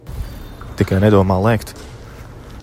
Tikai nedomā lēkt.